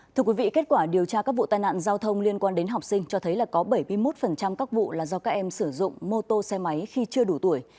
thưa quý vị kết quả điều tra các vụ tai nạn giao thông liên quan đến học sinh cho thấy là có bảy mươi một các vụ là do các em sử dụng mô tô xe máy khi chưa đủ tuổi